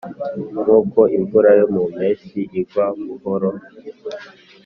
nkuko imvura yo mu mpeshyi igwa buhoro,